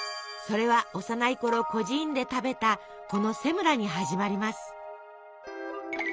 それは幼いころ孤児院で食べたこのセムラに始まります。